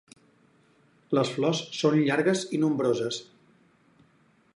Les flors són llargues i nombroses.